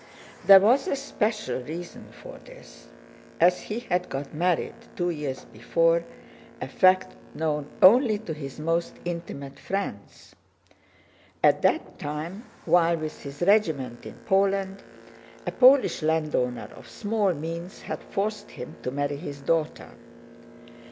There was a special reason for this, as he had got married two years before—a fact known only to his most intimate friends. At that time while with his regiment in Poland, a Polish landowner of small means had forced him to marry his daughter.